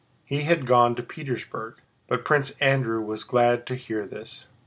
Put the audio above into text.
He had gone to Petersburg, but Prince Andrew was glad to hear this.